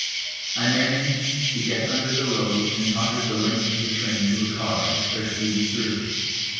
I managed to get under the load and tottered the length of the train to a car especially reserved.